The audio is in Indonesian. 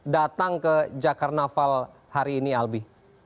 datang ke jakarnaval hari ini albi